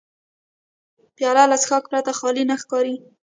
پیاله له څښاک پرته خالي نه ښکاري.